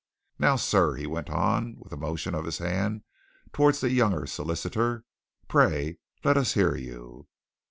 Now, sir!" he went on, with a motion of his hand towards the younger solicitor. "Pray let us hear you."